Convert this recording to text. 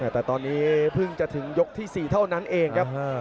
แต่ตอนนี้เพิ่งจะถึงยกที่๔เท่านั้นเองครับ